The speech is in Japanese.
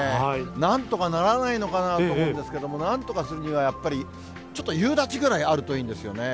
なんとかならないのかなと思うんですけど、なんとかするにはやっぱり、ちょっと夕立ぐらいあるといいんですよね。